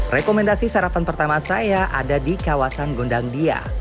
rekomendasi sarapan pertama saya ada di kawasan gondang dia